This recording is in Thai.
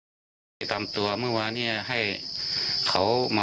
นี้ก็เนียงพรีที่ทำสนุกละกันนะครับ